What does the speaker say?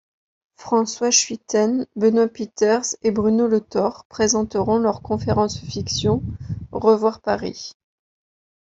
Francois Schuiten, Benoît Peeters et Bruno Letort présenteront leur conférence fiction Revoir Paris.